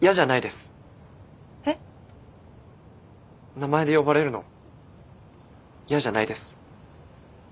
名前で呼ばれるの嫌じゃないです。